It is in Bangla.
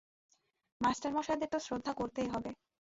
মাস্টারমশায়দের তো শ্রদ্ধা করতেই হবে।